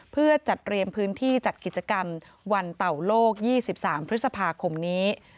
เพื่อจัดเตรียมพื้นที่จัดกิจกรรมวันเต่าโลก๒๓พฤษภาคมนี้